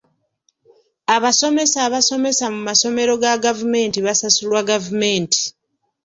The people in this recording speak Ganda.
Abasomesa abasomesa mu masomero ga gavumenti basasulwa gavumenti.